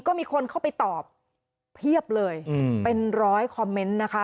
ก็มีคนเข้าไปตอบเพียบเลยเป็นร้อยคอมเมนต์นะคะ